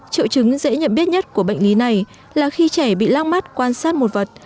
triệu chứng dễ nhận biết nhất của bệnh lý này là khi trẻ bị lác mắt quan sát một vật